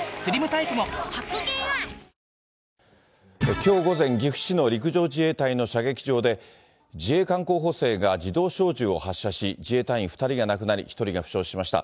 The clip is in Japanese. きょう午前、岐阜市の陸上自衛隊の射撃場で、自衛官候補生が自動小銃を発射し、自衛隊員２人が亡くなり、１人が負傷しました。